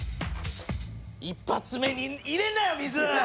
１発目に入れんなよ水！